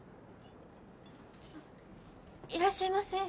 いらっしゃいませ。